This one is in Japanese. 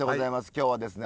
今日はですね